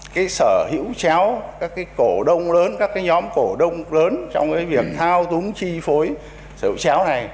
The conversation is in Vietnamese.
cái sở hữu chéo các cái cổ đông lớn các cái nhóm cổ đông lớn trong cái việc thao túng chi phối sở hữu chéo này